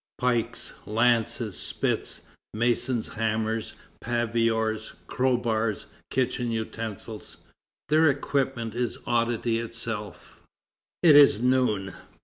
Pikes, lances, spits, masons' hammers, paviors' crowbars, kitchen utensils, their equipment is oddity itself. It is noon.